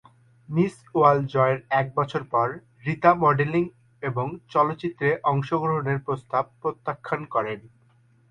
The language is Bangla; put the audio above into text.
মিস ওয়ার্ল্ড জয়ের এক বছর পর রীতা মডেলিং এবং চলচ্চিত্রে অংশগ্রহণের প্রস্তাব প্রত্যাখ্যান করেন।